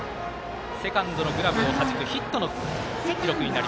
セカンドのグラブをはじくヒットの記録。